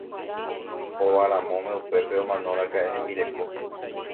Ovaramóme upépe omanoraka'e hembireko.